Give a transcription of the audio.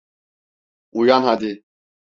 Uyan hadi…